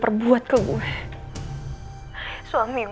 beritahu deh kimberly